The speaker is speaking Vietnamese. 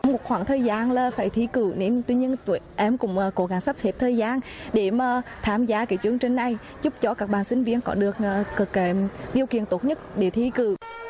một khoảng thời gian là phải thi cử nên tuy nhiên em cũng cố gắng sắp xếp thời gian để mà tham gia cái chương trình này giúp cho các bạn sinh viên có được điều kiện tốt nhất để thi cử